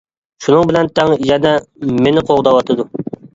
شۇنىڭ بىلەن تەڭ يەنە مېنى قوغداۋاتىدۇ.